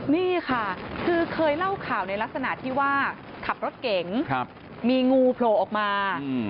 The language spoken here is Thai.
นี่ค่ะคือเคยเล่าข่าวในลักษณะที่ว่าขับรถเก๋งมีงูโผล่ออกมา